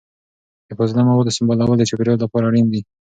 د فاضله موادو سمبالول د چاپیریال لپاره اړین دي.